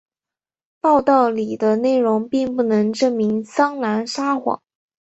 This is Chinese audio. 报道里的内容并不能证明桑兰撒谎。